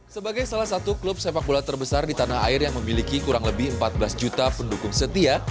sebagai salah satu klub sepak bola terbesar di tanah air yang memiliki kurang lebih empat belas juta pendukung setia